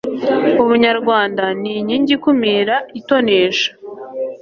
ubunyarwanda ni nkingi ikumira itonesha